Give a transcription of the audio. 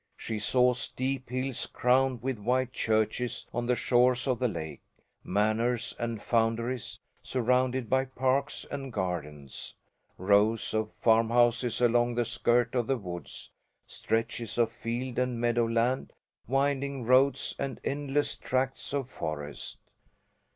She saw steep hills crowned with white churches on the shores of the lake, manors and founderies surrounded by parks and gardens, rows of farmhouses along the skirt of the woods, stretches of field and meadow land, winding roads and endless tracts of forest.